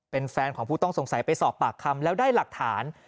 เป็นแฟนของผู้ต้องสงสัยไปสอบปากคำแล้วได้หลักฐาน